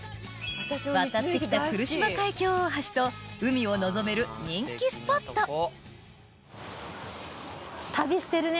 渡って来た来島海峡大橋と海を望める人気スポット旅してるね。